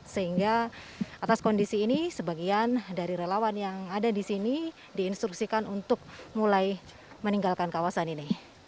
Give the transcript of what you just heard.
sehingga atas kondisi ini sebagian dari relawan yang ada di sini diinstruksikan untuk mulai meninggalkan kawasan ini